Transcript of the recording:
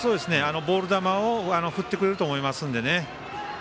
ボール球を振ってくれると思いますので。